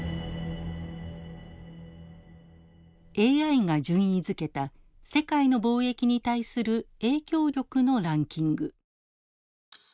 ＡＩが順位づけた世界の貿易に対する影響力のランキング。